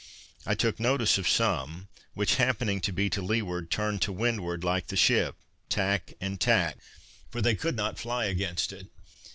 I took notice of some, which happening to be to leeward, turned to windward, like a ship, tack and tack; for they could not fly against it.